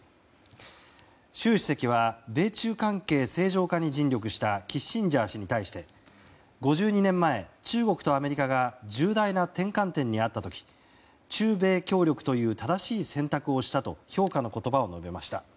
習主席は米中関係正常化に尽力したキッシンジャー氏に対し５２年前、中国とアメリカが重大な転換点にあった時中米協力という正しい選択をしたと評価の言葉を述べました。